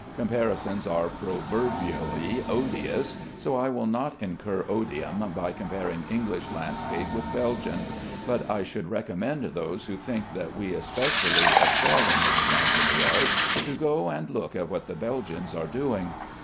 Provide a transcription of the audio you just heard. Comparisons are proverbially odious, so I will not incur odium by comparing English landscape with Belgian, but I should recommend those who think that we specially excel in this branch of the art to go and look at what the Belgians are doing.